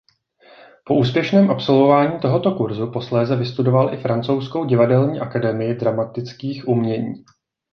Po úspěšném absolvování tohoto kurzu posléze vystudoval i francouzskou divadelní Akademii dramatických umění.